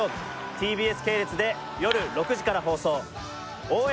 ＴＢＳ系列で夜６時から放送応援